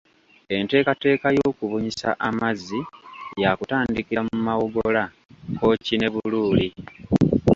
Enteekateeka y'okubunyisa amazzi yaakutandikira mu Mawogola, Kkooki ne Buluuli